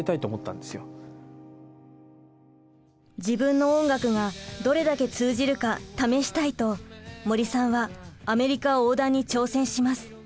自分の音楽がどれだけ通じるか試したい！と森さんはアメリカ横断に挑戦します。